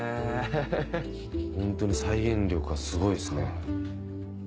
ホントに再現力がすごいですね。